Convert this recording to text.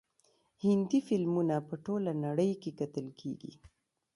هندي فلمونه په ټوله نړۍ کې کتل کیږي.